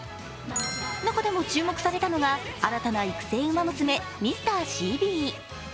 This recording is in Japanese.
中でも注目されたのが、新たな育成ウマ娘・ミスターシービー。